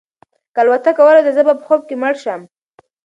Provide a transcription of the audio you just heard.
که الوتکه ولویده زه به په خوب کې مړ شم.